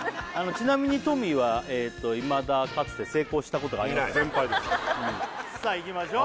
ちなみにトミーはえといまだかつて成功したことがありません全敗です焦らないさあいきましょう